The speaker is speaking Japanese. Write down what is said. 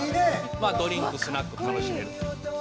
まあドリンクスナック楽しめると」